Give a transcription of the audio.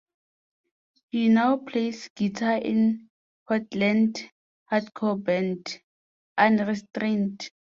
He now plays guitar in Portland hardcore band, Unrestrained.